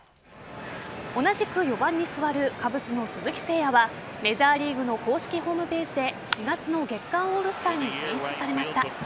同じく４番に座るカブスの鈴木誠也はメジャーリーグの公式ホームページで４月の月間オールスターに選出されました。